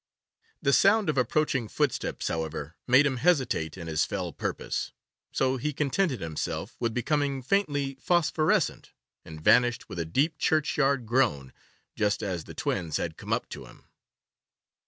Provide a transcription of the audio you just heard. The sound of approaching footsteps, however, made him hesitate in his fell purpose, so he contented himself with becoming faintly phosphorescent, and vanished with a deep churchyard groan, just as the twins had come up to him.